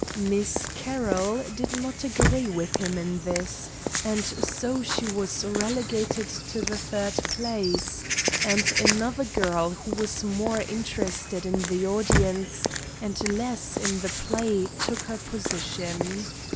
Miss Carroll did not agree with him in this, and so she was relegated to the third place, and another girl who was more interested in the audience and less in the play took her position.